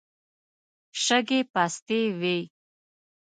شګې پستې وې.